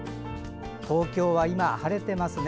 東京は今、晴れていますね。